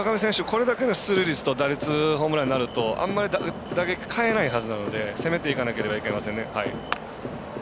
これだけの出塁率と打率、ホームランになるとあまり打撃、変えないはずなので攻めていかなければいけませんね。